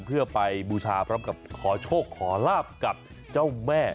เพื่อไปมูชาขอโชคขอลาบกับเจ้าแม่